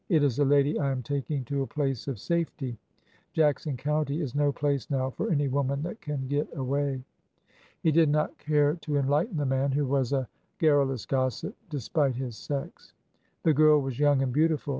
'' It is a lady I am taking to a place of safety. Jackson County is no place now for any woman that can get away." He did not care to enlighten the man, who was a gar rulous gossip, despite his sex. The girl was young and beautiful.